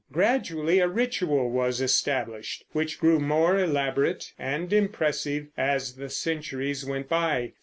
Gradually a ritual was established, which grew more elaborate and impressive as the centuries went by.